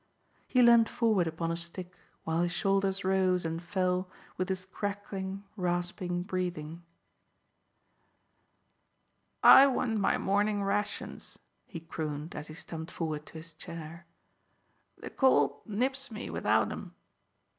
He leaned forward upon a stick, while his shoulders rose and fell with his crackling, rasping breathing. "I want my morning rations," he crooned, as he stumped forward to his chair. "The cold nips me without 'em.